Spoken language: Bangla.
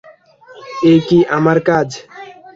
এ কি আমার কাজ?